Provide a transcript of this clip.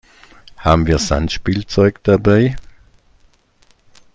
Haben wir Sandspielzeug dabei?